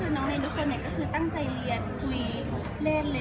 แล้วก็พอพี่ลูกกอล์ฟหรือว่าพอบันไปเนี่ยน้องเรนก็ฟังเลย